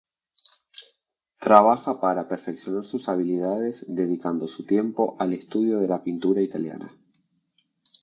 Trabaja para perfeccionar sus habilidades dedicando su tiempo al estudio de la pintura italiana.